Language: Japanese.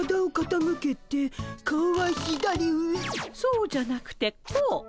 そうじゃなくてこう。